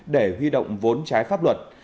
thể huy động vốn trái pháp luật